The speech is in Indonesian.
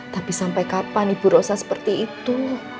tapi sampai kapan ibu rosa seperti itu